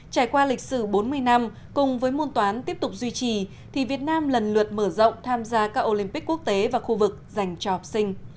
trải qua lịch sử bốn mươi năm cùng với môn toán tiếp tục duy trì thì việt nam lần lượt mở rộng tham gia các olympic quốc tế và khu vực dành cho học sinh